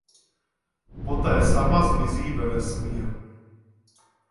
Poté sama zmizí ve vesmíru.